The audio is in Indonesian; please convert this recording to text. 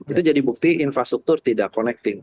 itu jadi bukti infrastruktur tidak connecting